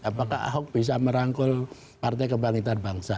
apakah ahok bisa merangkul partai kebangkitan bangsa